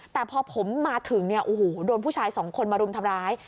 แต่พอผมมาถึงเนี่ยโอ้โหโดนผู้ชายสองคนมารุมทำร้าย